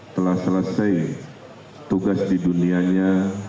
telah selesai tugas di dunianya